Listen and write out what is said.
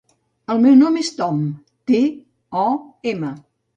El meu nom és Tom: te, o, ema.